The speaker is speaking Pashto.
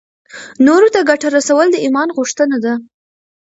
نورو ته ګټه رسول د ایمان غوښتنه ده.